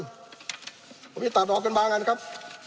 ผมจะตัดออกกันบางอันนะครับ